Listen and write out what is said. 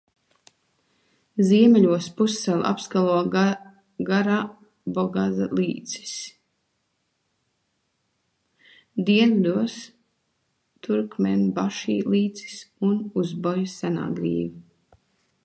Ziemeļos pussalu apskalo Garabogaza līcis, dienvidos – Turkmenbaši līcis un Uzbojas senā grīva.